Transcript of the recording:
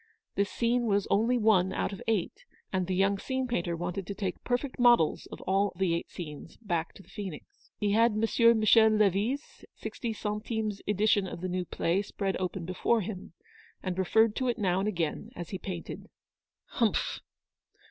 This scene was only one out of eight, and the young scene painter wanted to take per fect models of all the eight scenes back to the Phoenix. He had M. Michel Levy's sixty cen times edition of the new play spread open before him, and referred to it now and again as he painted. " Humph